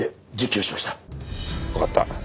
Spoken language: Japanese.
わかった。